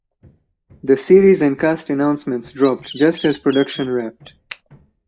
The series and cast announcements dropped just as production wrapped.